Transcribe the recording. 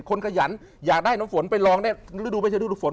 ขยันอยากได้น้ำฝนไปลองได้ฤดูไม่ใช่ฤดูฝน